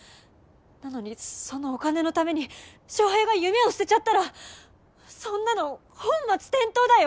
なのにそのお金のために翔平が夢を捨てちゃったらそんなの本末転倒だよ！